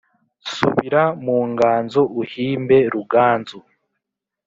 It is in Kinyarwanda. Subira mu nganzo uhimbe Ruganzu